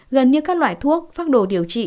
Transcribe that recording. gần như các loại thuốc phác đồ điều trị